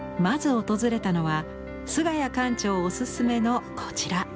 まず訪れたのは菅谷館長おすすめのこちら。